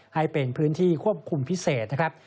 ให้เป็นพื้นที่ควบคุมพิเศษนะครับ